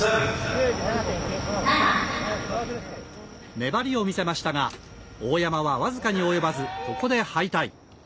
粘りを見せましたが大山は僅かに及ばず、ここで敗退。